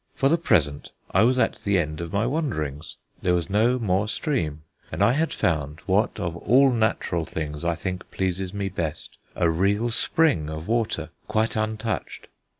For the present I was at the end of my wanderings. There was no more stream, and I had found what of all natural things I think pleases me best, a real spring of water quite untouched.